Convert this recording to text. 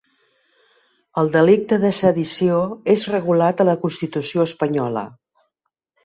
El delicte de sedició és regulat a la constitució espanyola.